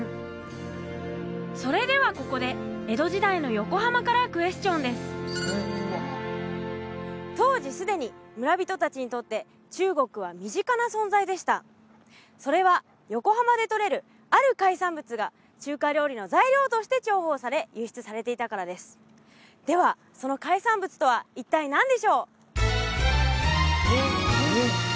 それではここで江戸時代の横浜からクエスチョンです当時すでに村人達にとって中国は身近な存在でしたそれは横浜でとれるある海産物が中華料理の材料として重宝され輸出されていたからですではその海産物とは一体何でしょう？